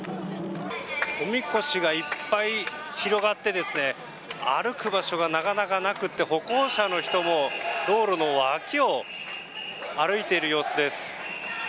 おみこしがいっぱい広がって歩く場所がなかなかなくて歩行者の人も道路の脇を歩いている様子です。